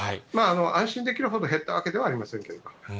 安心できるほど減ったわけではありませんけれども。